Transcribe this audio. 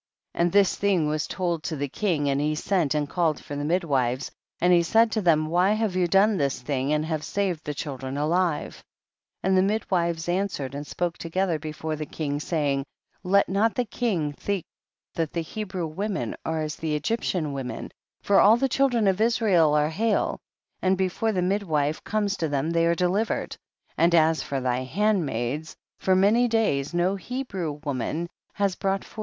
28. And this thing was told to the king, and he sent and called for the midwives and he said to them, why have you done this thing and have saved the children alive ? 29. And the midwives answered, and spoke together before the king, saying, 30. Let not the king think that the Hebrew women are as the Egyptian women, for all the children of Israel are hale,* and before the midwife comes to them they are delivered, and as for us thy handmaids, for *njn nvn 'D same as in Exodus, ch. 1, v.